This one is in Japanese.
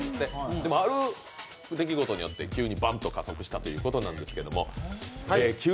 でもある出来事によって、急にバンと加速したということなんですけれども。